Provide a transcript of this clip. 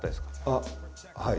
あっはい。